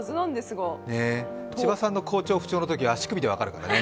千葉さんの好調、不調のとき足首で分かるからね。